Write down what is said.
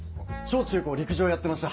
小中高陸上やってました。